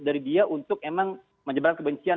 dari dia untuk menyebar kebencian